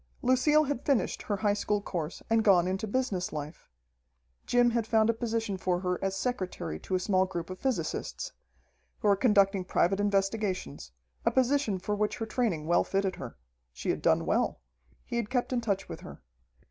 Lucille had finished her high school course and gone into business life. Jim had found a position for her as secretary to a small group of physicists, who were conducting private investigations, a position for which her training well fitted her. She had done well. He had kept in touch with her.